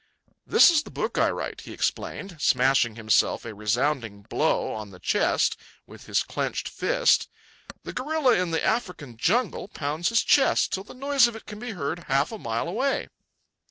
"This is the book I write," he explained, smashing himself a resounding blow on the chest with his clenched fist. "The gorilla in the African jungle pounds his chest till the noise of it can be heard half a mile away."